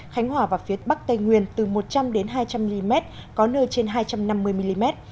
khánh hòa và phía bắc tây nguyên từ một trăm linh hai trăm linh mm có nơi trên hai trăm năm mươi mm